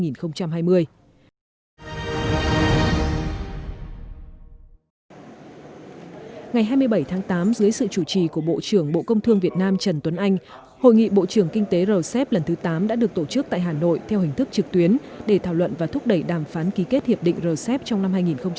ngày hai mươi bảy tháng tám dưới sự chủ trì của bộ trưởng bộ công thương việt nam trần tuấn anh hội nghị bộ trưởng kinh tế rcep lần thứ tám đã được tổ chức tại hà nội theo hình thức trực tuyến để thảo luận và thúc đẩy đàm phán ký kết hiệp định rcep trong năm hai nghìn hai mươi